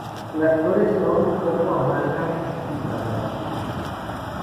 Las flores son un poco amargas y fragantes.